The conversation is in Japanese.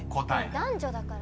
男女だから。